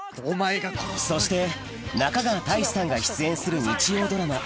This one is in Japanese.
そして中川大志さんが出演する日曜ドラマ